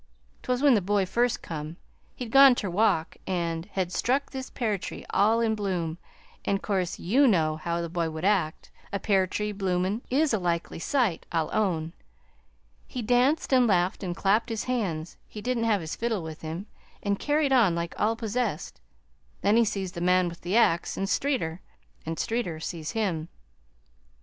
"'T was when the boy first come. He'd gone ter walk an' had struck this pear tree, all in bloom, an' 'course, YOU know how the boy would act a pear tree, bloomin', is a likely sight, I'll own. He danced and laughed and clapped his hands, he didn't have his fiddle with him, an' carried on like all possessed. Then he sees the man with the axe, an' Streeter an' Streeter sees him.